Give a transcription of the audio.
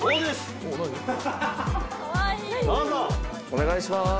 お願いします。